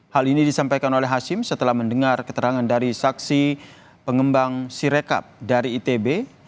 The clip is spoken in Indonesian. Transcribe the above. hal ini disampaikan oleh hashim setelah mendengar keterangan dari saksi pengembang sirekap dari itb